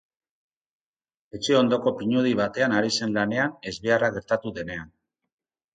Etxe ondoko pinudi batean ari zen lanean ezbeharra gertatu denean.